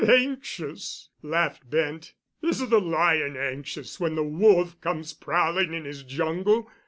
"Anxious?" laughed Bent. "Is the lion anxious when the wolf comes prowling in his jungle?